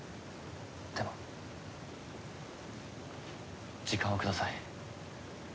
でも時間をください。